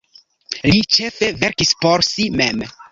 Li ĉefe verkis por si mem.